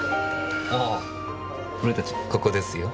あぁ俺たちここですよ。